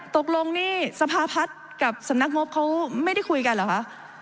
ตกลงนี่สภาพัฒน์กับสำนักงบเขาไม่ได้คุยกันเหรอคะ